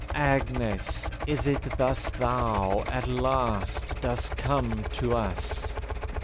Agnes ! is it thus Thou, at last, dost come to us